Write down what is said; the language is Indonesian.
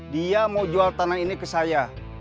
dia mau jual tanah ini ke saya